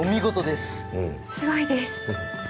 すごいです！